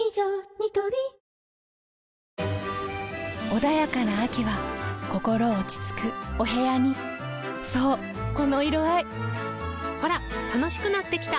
ニトリ穏やかな秋は心落ち着くお部屋にそうこの色合いほら楽しくなってきた！